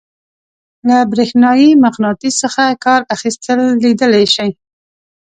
له برېښنايي مقناطیس څخه کار اخیستل لیدلی شئ.